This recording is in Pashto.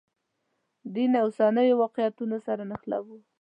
دین اوسنیو واقعیتونو سره نښلوو.